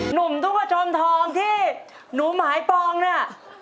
หนุ่มตุ๊กจอมทองที่หนูหมายปองเนี่ย